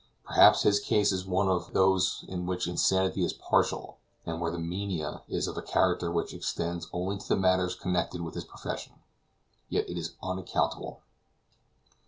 Perhaps his case is one of those in which insanity is partial, and where the mania is of a character which extends only to the matters connected with his profession. Yet it is unaccountable.